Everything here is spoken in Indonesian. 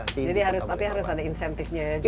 jadi harus ada insentifnya